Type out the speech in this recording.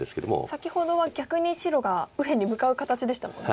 先ほどは逆に白が右辺に向かう形でしたもんね。